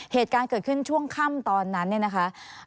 เหตุการณ์เกิดขึ้นช่วงค่ำตอนนั้นเนี่ยนะคะ